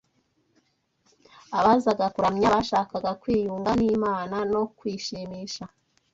abazaga kuramya bashakaga kwiyunga n’Imana no kuyishimisha